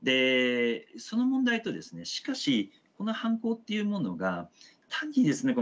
その問題とですねしかしこの犯行っていうものが単にですね